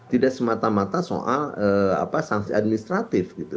tidak semata mata soal sanksi administratif gitu